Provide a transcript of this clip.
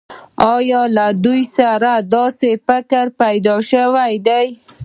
آیا له دوی سره داسې فکر پیدا شوی دی